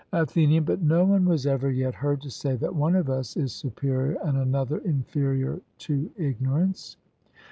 ATHENIAN: But no one was ever yet heard to say that one of us is superior and another inferior to ignorance.